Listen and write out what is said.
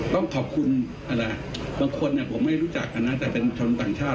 ต้องขอบคุณอะไรบางคนผมไม่รู้จักกันนะแต่เป็นคนต่างชาติ